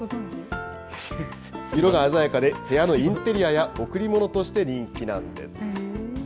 色が鮮やかで、部屋のインテリアや贈り物として人気なんです。